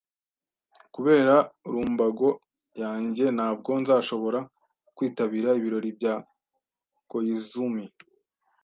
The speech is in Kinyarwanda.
Kubera lumbago yanjye, ntabwo nzashobora kwitabira ibirori bya Koizumi.